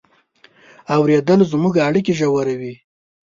اورېدل زموږ اړیکې ژوروي.